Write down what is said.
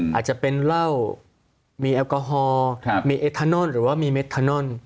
อาจจะเป็นเหล้ามีแอลกอฮอล์มีเอทานอนหรือว่ามีเมทานอน